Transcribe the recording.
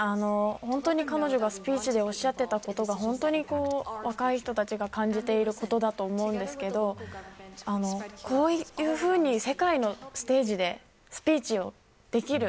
本当に彼女がスピーチでおっしゃったことが本当に若い人たちが感じていることだと思いますがこういうふうに世界のステージでスピーチをできる。